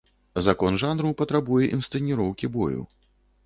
Закон жанру патрабуе інсцэніроўкі бою.